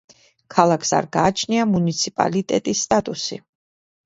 ქალაქს არ გააჩნია მუნიციპალიტეტის სტატუსი.